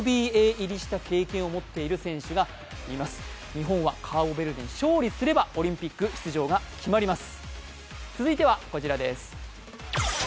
日本はカーボベルデに勝利すればオリンピック出場が決まります。